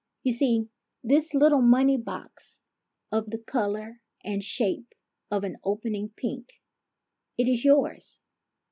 You see this little money box, of the color and shape of an opening pink : it is yours.